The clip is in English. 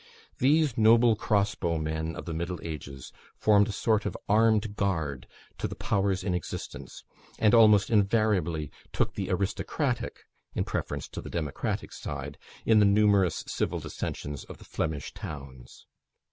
These noble cross bow men of the middle ages formed a sort of armed guard to the powers in existence, and almost invariably took the aristocratic, in preference to the democratic side, in the numerous civil dissensions of the Flemish towns.